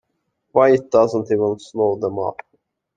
Why, it doesn't even slow them up!